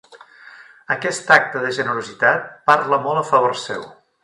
Aquest acte de generositat parla molt a favor seu.